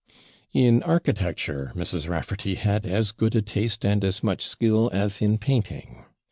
In architecture, Mrs. Rafferty had as good a taste and as much skill as in painting.